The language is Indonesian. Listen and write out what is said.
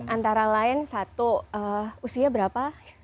antara lain satu usia berapa